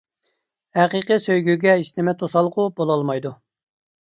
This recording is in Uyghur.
ھەقىقىي سۆيگۈگە ھېچنېمە توسالغۇ بولالمايدۇ.